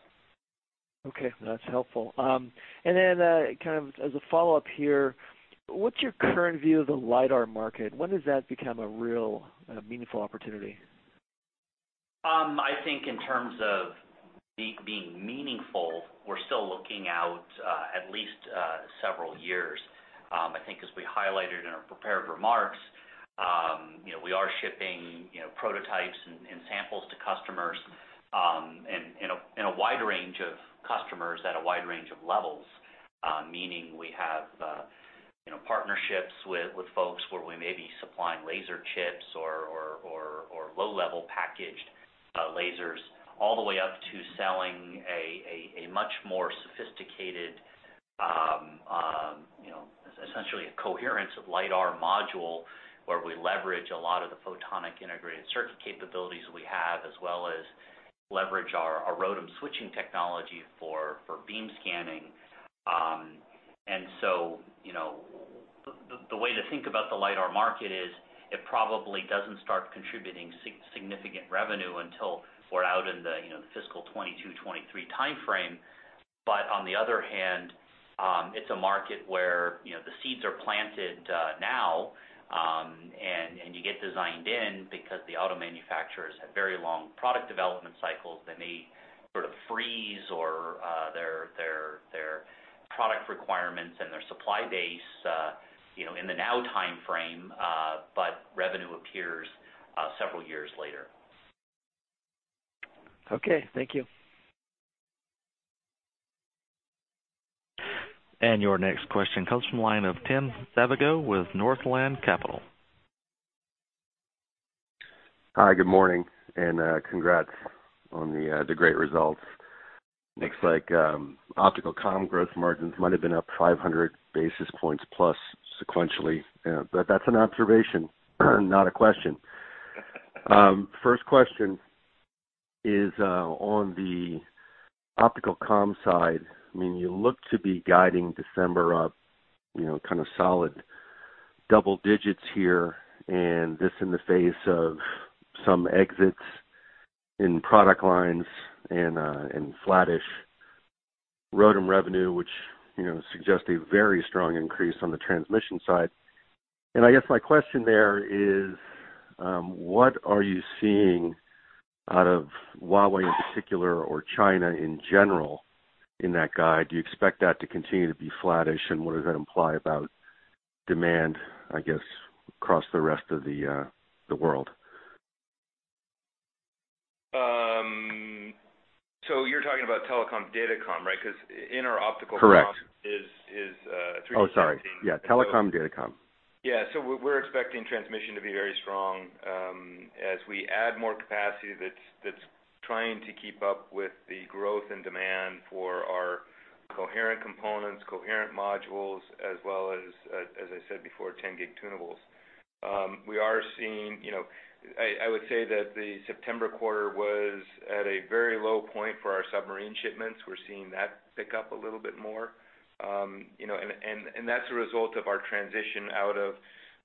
Okay, that's helpful. As a follow-up here, what's your current view of the LiDAR market? When does that become a real meaningful opportunity? I think in terms of being meaningful, we're still looking out at least several years. I think as we highlighted in our prepared remarks, we are shipping prototypes and samples to customers, and a wide range of customers at a wide range of levels. Meaning we have partnerships with folks where we may be supplying laser chips or low-level packaged lasers, all the way up to selling a much more sophisticated, essentially a coherent LiDAR module, where we leverage a lot of the photonic integrated circuit capabilities we have, as well as leverage our ROADM switching technology for beam scanning. The way to think about the LiDAR market is it probably doesn't start contributing significant revenue until we're out in the fiscal 2022, 2023 timeframe. On the other hand, it's a market where the seeds are planted now, and you get designed in because the auto manufacturers have very long product development cycles that may sort of freeze their product requirements and their supply base in the now timeframe. Revenue appears several years later. Okay, thank you. Your next question comes from the line of Tim Savageaux with Northland Capital. Hi, good morning, and congrats on the great results. Looks like optical comm gross margins might have been up 500 basis points plus sequentially. That's an observation, not a question. First question is on the optical comms side. You look to be guiding December up kind of solid double digits here, this in the face of some exits in product lines and flattish ROADM revenue, which suggests a very strong increase on the transmission side. I guess my question there is, what are you seeing out of Huawei in particular, or China in general in that guide? Do you expect that to continue to be flattish, and what does that imply about demand, I guess, across the rest of the world? You're talking about telecom, datacom, right? Correct Is 3D sensing. Oh, sorry. Yeah, telecom, datacom. Yeah. We're expecting transmission to be very strong as we add more capacity that's trying to keep up with the growth and demand for our coherent components, coherent modules, as well as I said before, 10G tunables. I would say that the September quarter was at a very low point for our submarine shipments. We're seeing that pick up a little bit more. That's a result of our transition out of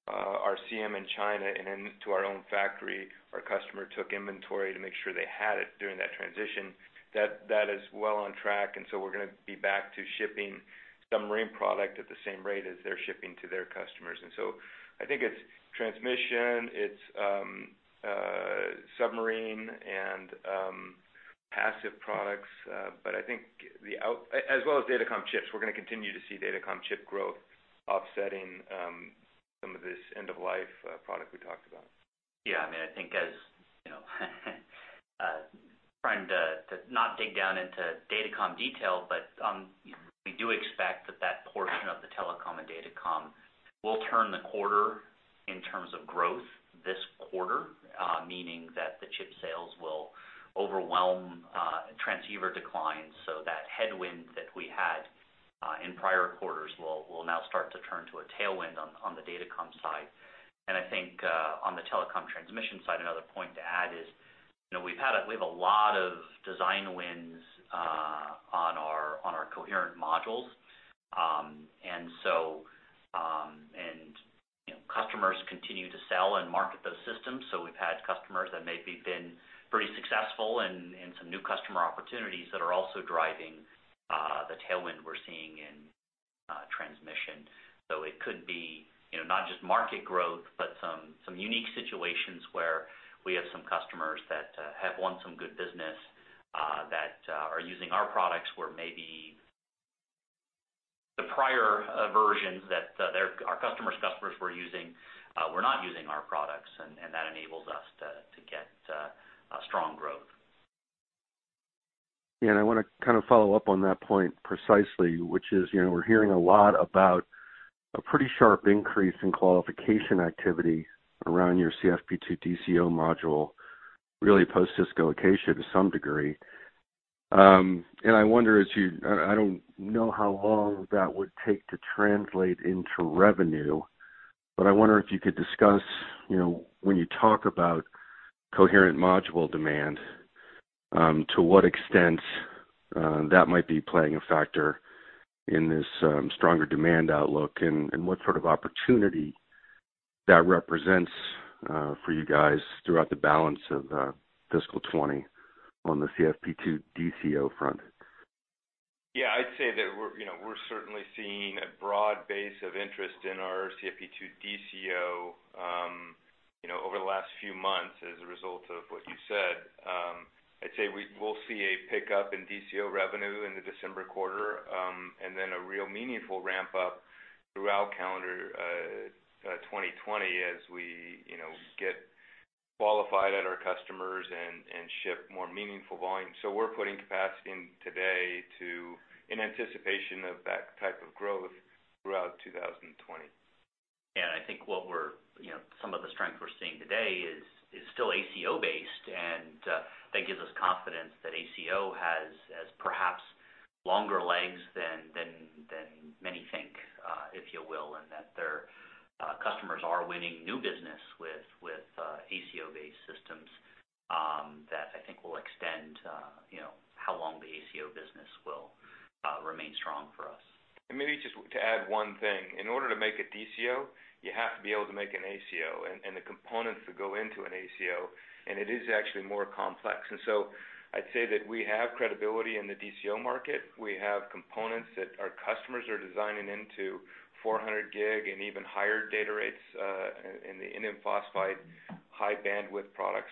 our CM in China and into our own factory. Our customer took inventory to make sure they had it during that transition. That is well on track, we're going to be back to shipping submarine product at the same rate as they're shipping to their customers. I think it's transmission, it's submarine, and passive products, as well as datacom chips. We're going to continue to see datacom chip growth offsetting some of this end-of-life product we talked about. I think as trying to not dig down into datacom detail, but we do expect that that portion of the telecom and datacom will turn the quarter in terms of growth this quarter. Meaning that the chip sales will overwhelm transceiver declines. That headwind that we had in prior quarters will now start to turn to a tailwind on the datacom side. I think on the telecom transmission side, another point to add is we have a lot of design wins on our coherent modules. Customers continue to sell and market those systems, so we've had customers that maybe have been pretty successful and some new customer opportunities that are also driving the tailwind we're seeing in transmission. It could be not just market growth, but some unique situations where we have some customers that have won some good business that are using our products where maybe the prior versions that our customers' customers were not using our products, and that enables us to get strong growth. I want to follow up on that point precisely, which is we're hearing a lot about a pretty sharp increase in qualification activity around your CFP2-DCO module, really post this allocation to some degree. I don't know how long that would take to translate into revenue. I wonder if you could discuss when you talk about coherent module demand, to what extent that might be playing a factor in this stronger demand outlook and what sort of opportunity that represents for you guys throughout the balance of fiscal 2020 on the CFP2-DCO front. Yeah. I'd say that we're certainly seeing a broad base of interest in our CFP2-DCO over the last few months as a result of what you said. I'd say we'll see a pickup in DCO revenue in the December quarter, and then a real meaningful ramp-up throughout calendar 2020 as we get qualified at our customers and ship more meaningful volume. We're putting capacity in today in anticipation of that type of growth throughout 2020. I think some of the strength we're seeing today is still ACO-based, and that gives us confidence that ACO has perhaps longer legs than many think, if you will, in that their customers are winning new business with ACO-based systems that I think will extend how long the ACO business will remain strong for us. Maybe just to add one thing. In order to make a DCO, you have to be able to make an ACO and the components that go into an ACO. It is actually more complex. I'd say that we have credibility in the DCO market. We have components that our customers are designing into 400G and even higher data rates in the indium phosphide high bandwidth products.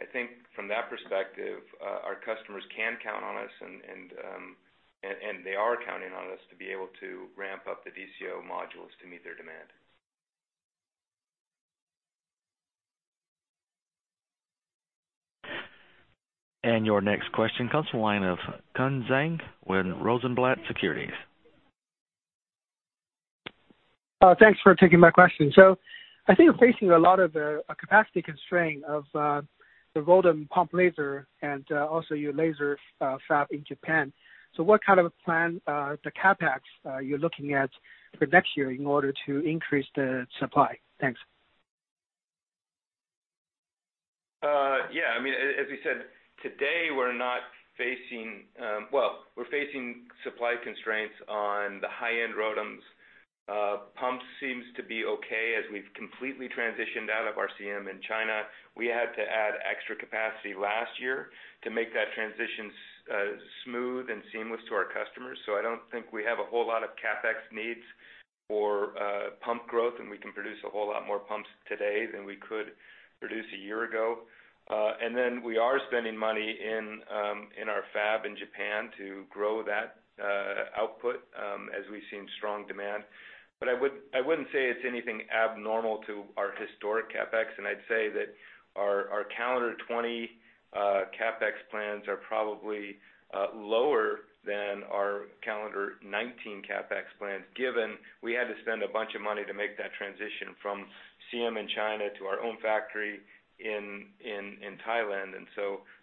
I think from that perspective, our customers can count on us, and they are counting on us to be able to ramp up the DCO modules to meet their demand. Your next question comes from the line of Jun Zhang with Rosenblatt Securities. Thanks for taking my question. I think you're facing a lot of capacity constraint of the ROADM pump laser and also your laser fab in Japan. What kind of a plan, the CapEx you're looking at for next year in order to increase the supply? Thanks. Yeah. As we said, today, we're facing supply constraints on the high-end ROADMs. pump seems to be okay as we've completely transitioned out of our CM in China. We had to add extra capacity last year to make that transition smooth and seamless to our customers. I don't think we have a whole lot of CapEx needs for pump growth, and we can produce a whole lot more pumps today than we could produce a year ago. We are spending money in our fab in Japan to grow that output as we've seen strong demand. I wouldn't say it's anything abnormal to our historic CapEx, and I'd say that our calendar 2020 CapEx plans are probably lower than our calendar 2019 CapEx plans, given we had to spend a bunch of money to make that transition from CM in China to our own factory in Thailand.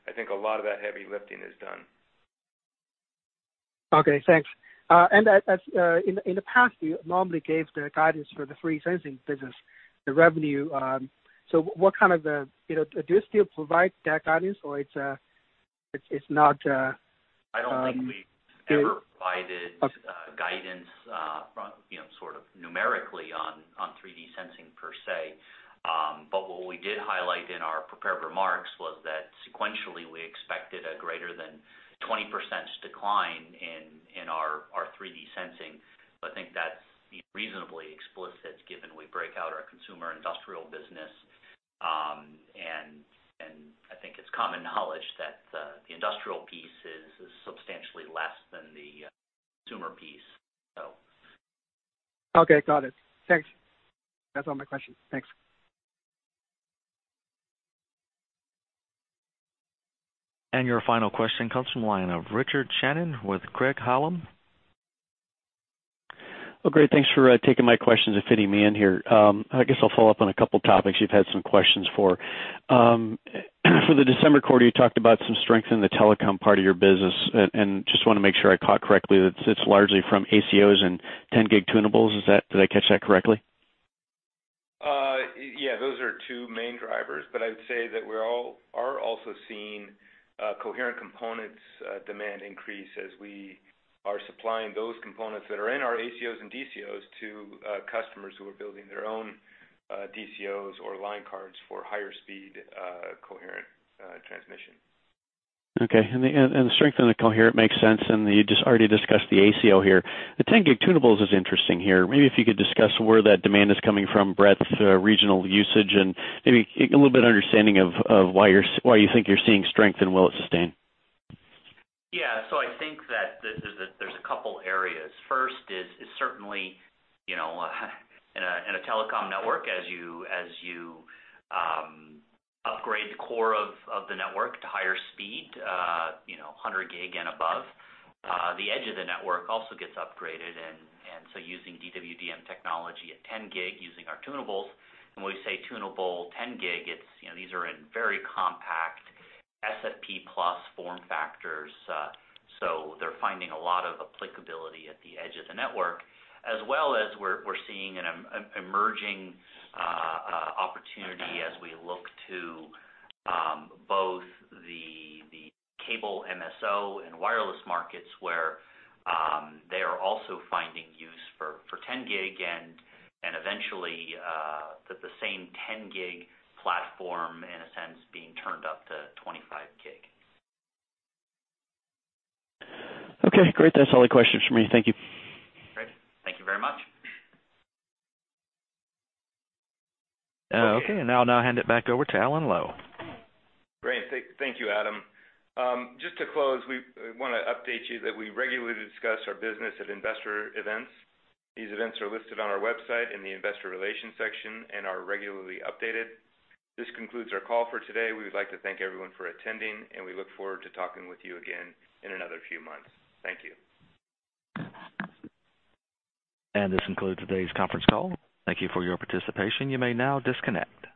I think a lot of that heavy lifting is done. Okay, thanks. In the past, you normally gave the guidance for the 3D sensing business, the revenue. Do you still provide that guidance or it's not? I don't think we've ever provided guidance numerically on 3D sensing per se. What we did highlight in our prepared remarks was that sequentially we expected a greater than 20% decline in our 3D sensing. I think that's reasonably explicit given we break out our consumer industrial business. I think it's common knowledge that the industrial piece is substantially less than the consumer piece. Okay, got it. Thanks. That's all my questions. Thanks. Your final question comes from the line of Richard Shannon with Craig-Hallum. Well, great. Thanks for taking my questions and fitting me in here. I guess I'll follow up on a couple topics you've had some questions for. For the December quarter, you talked about some strength in the telecom part of your business, and just want to make sure I caught correctly that it's largely from ACOs and 10G tunables. Did I catch that correctly? Those are two main drivers, but I would say that we are also seeing coherent components demand increase as we are supplying those components that are in our ACOs and DCOs to customers who are building their own DCOs or line cards for higher speed coherent transmission. Okay. The strength in the coherent makes sense, and you just already discussed the ACO here. The 10G tunables is interesting here. Maybe if you could discuss where that demand is coming from, breadth, regional usage, and maybe a little bit of understanding of why you think you're seeing strength, and will it sustain? Yeah. I think that there's a couple areas. First is certainly in a telecom network, as you upgrade the core of the network to higher speed, 100G and above, the edge of the network also gets upgraded, using DWDM technology at 10G using our tunables. When we say tunable 10G, these are in very compact SFP+ form factors. They're finding a lot of applicability at the edge of the network, as well as we're seeing an emerging opportunity as we look to both the cable MSO and wireless markets, where they are also finding use for 10G, and eventually that the same 10G platform in a sense being turned up to 25G. Okay, great. That's all the questions from me. Thank you. Great. Thank you very much. Okay. I'll now hand it back over to Alan Lowe. Great. Thank you, Adam. Just to close, we want to update you that we regularly discuss our business at investor events. These events are listed on our website in the investor relations section and are regularly updated. This concludes our call for today. We would like to thank everyone for attending, and we look forward to talking with you again in another few months. Thank you. This concludes today's conference call. Thank you for your participation. You may now disconnect.